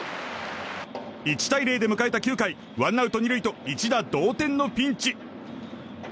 １対０で迎えた９回ワンアウト２塁と一打同点のピンチ。